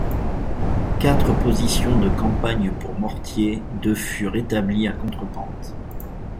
Quatre positions de campagne pour mortier de furent établies à contre-pente.